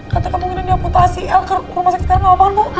katanya kemungkinan di amputasi el ke rumah sakit sekarang gak apa apaan bu